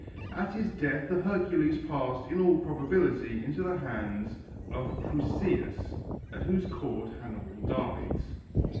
At his death the Hercules passed, in all probability, into the hands of Prusias at whose court Hannibal died.